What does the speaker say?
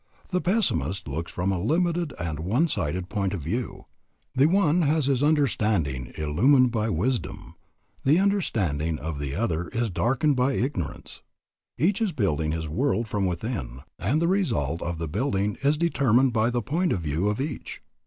The pessimist looks from a limited and a one sided point of view. The one has his understanding illumined by wisdom, the understanding of the other is darkened by ignorance. Each is building his world from within, and the result of the building is determined by the point of view of each.